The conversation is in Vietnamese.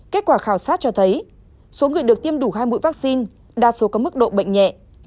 kết quả khảo sát cho thấy số người được tiêm đủ hai mũi vaccine đa số có mức độ bệnh nhẹ